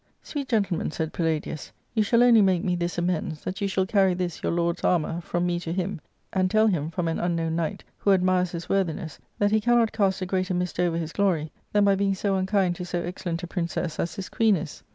" Sweet gentleman," said Palladius, " you shall only make me this amends, that you shall carry this, your lord's armour, from me to him, *^ and tell him, from an unknown knight, who admires his worthiness, that he cannot cast a greater mist over his glory than by being so unkind to so excellent a princess as this queen is."